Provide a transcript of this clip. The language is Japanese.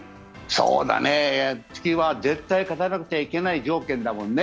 そうだね、次は絶対勝たなきゃいけない条件だもんね。